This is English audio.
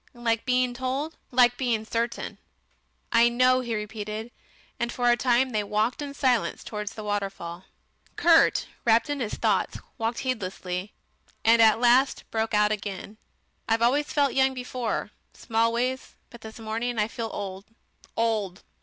"Like being told?" "Like being certain. "I know," he repeated, and for a time they walked in silence towards the waterfall. Kurt, wrapped in his thoughts, walked heedlessly, and at last broke out again. "I've always felt young before, Smallways, but this morning I feel old old.